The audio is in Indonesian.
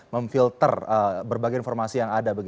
memfilter berbagai informasi yang ada